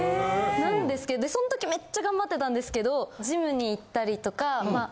なんですけどその時めっちゃ頑張ってたんですけどジムに行ったりとかまあ